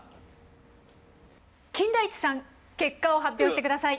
金田一さん結果を発表してください。